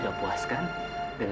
tidak ada yang maaf lagi